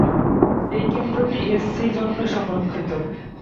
এই কেন্দ্রটি এসসি জন্য সংরক্ষিত।